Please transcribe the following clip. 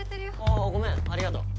ああごめんありがとう